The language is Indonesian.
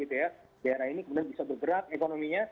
daerah ini kemudian bisa bergerak ekonominya